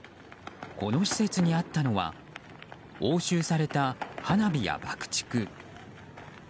この施設にあったのは押収された花火や爆竹。